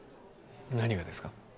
何がですか？